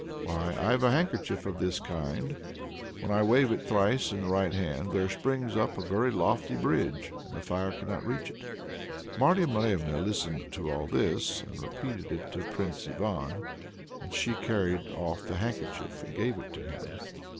"Why, I've a handkerchief of this kind when I wave it thrice on the right hand, there springs up a very lofty bridge and the fire cannot reach it." Marya Morevna listened to all this, and repeated it to Prince Ivan, and she carried off the handkerchief and gave it to him.